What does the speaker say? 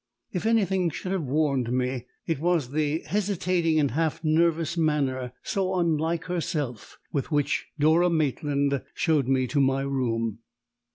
If anything should have warned me it was the hesitating and half nervous manner (so unlike herself) with which Dora Maitland showed me my room.